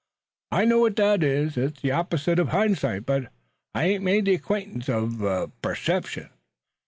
I know what that is. It's the opposite uv hindsight, but I ain't made the acquaintance uv perception."